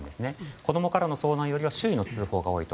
子供からの相談よりは周囲の通報が多いと。